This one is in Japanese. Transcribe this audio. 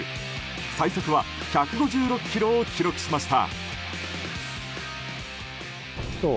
最速は１５６キロを記録しました。